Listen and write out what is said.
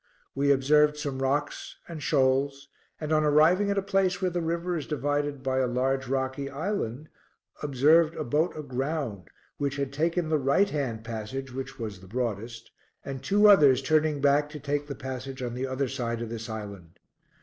We observed some rocks and shoals, and on arriving at a place where the river is divided by a large rocky island, observed a boat aground, which had taken the right hand passage which was the broadest, and two others turning back to take the passage on the other side of this island.